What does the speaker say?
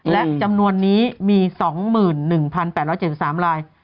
และจำนวนนี้มี๒๑๘๗๓ลาย